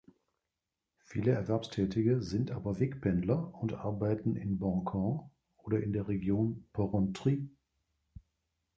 Viele Erwerbstätige sind aber Wegpendler und arbeiten in Boncourt oder in der Region Porrentruy.